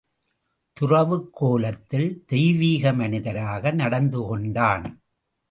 துறவுக் கோலத்தில் தெய்வீக மனிதராக நடந்து கொண்டான்.